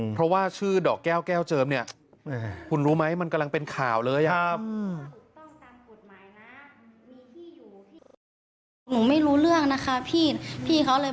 เพราะว่าชื่อดอกแก้วแก้วเจิมเนี่ยคุณรู้ไหมมันกำลังเป็นข่าวเลยอ่ะ